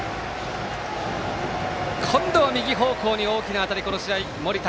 今度は右方向に大きな当たりこの試合、森田。